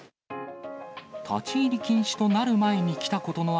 立ち入り禁止となる前に来た景色